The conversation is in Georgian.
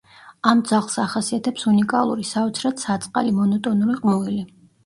ამ ძაღლს ახასიათებს უნიკალური, საოცრად საწყალი, მონოტონური ყმუილი.